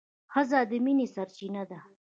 ښځه د مینې سرچینه ده.